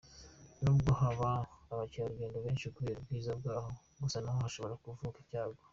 Nubwo haba abakerarugendo benshi kubera ubwiza bwaho gusa naho hashobora kuvuka icyago.